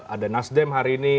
ada nasdem hari ini